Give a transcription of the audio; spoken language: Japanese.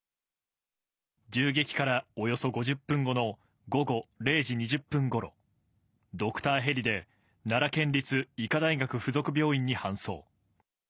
銃撃からおよそ５０分後の午後０時２０分ごろ、ドクターヘリで奈良県立医科大学附属病院に搬送。